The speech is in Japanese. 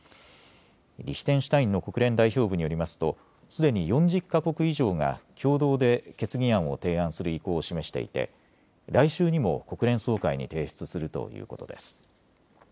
リヒテンシュタインの国連代表部によりますとすでに４０か国以上が共同で決議案を提案する意向を示していて来週にも国連総会に提出するということです。